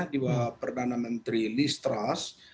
di bawah perdana menteri lee strauss